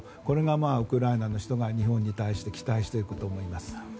これがウクライナの人が日本に対して期待していることだと思います。